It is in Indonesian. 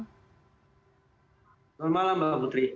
selamat malam mbak putri